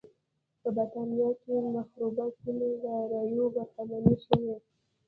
په برېټانیا کې مخروبه سیمې له رایو برخمنې شوې.